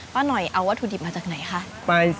หน่อยเอาวัตถุดิบมาจากไหนคะ